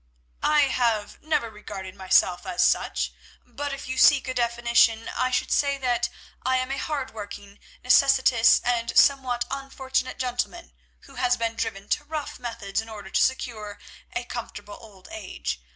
"I have never regarded myself as such, but if you seek a definition, I should say that I am a hard working, necessitous, and somewhat unfortunate gentleman who has been driven to rough methods in order to secure a comfortable old age.